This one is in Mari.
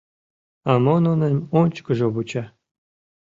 А мо нуным ончыкыжо вуча?